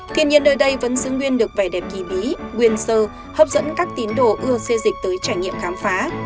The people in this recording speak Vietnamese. thiên nhiên nơi đây vẫn xứng nguyên được vẻ đẹp kỳ bí quyền sơ hấp dẫn các tín đồ ưa xê dịch tới trải nghiệm khám phá